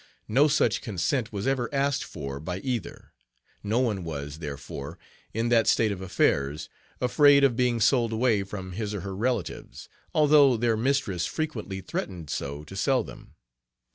No such consent was ever asked for by either. No one was, therefore, in that state of affairs, afraid of being sold away from his or her relatives, although their mistress frequently threatened so to sell them.